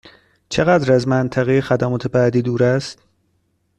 چقدر از منطقه خدمات بعدی دور است؟